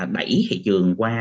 đẩy thị trường qua